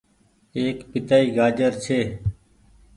ايڪ پيتآئي گآجر ڇي ۔